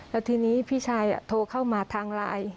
แล้วทีนี้พี่ชายโทรเข้ามาทางไลน์